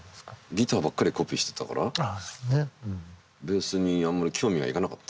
ギターばっかりコピーしてたからベースにあんまり興味がいかなかったんです。